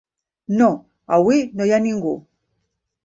No, avui no hi ha ningú.